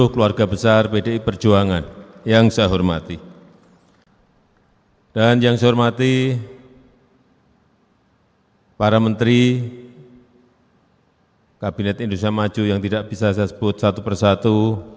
kabinet indonesia maju yang tidak bisa saya sebut satu persatu